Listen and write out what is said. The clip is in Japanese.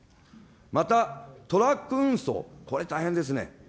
またトラック運送、これ大変ですね。